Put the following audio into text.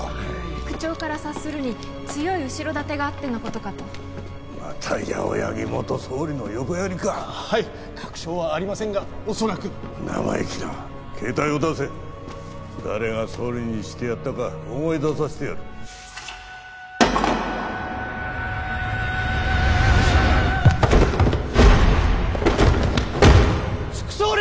口調から察するに強い後ろ盾があってのことかとまた八尾柳元総理の横やりかはい確証はありませんが恐らく生意気な携帯を出せ誰が総理にしてやったか思い出させてやる副総理！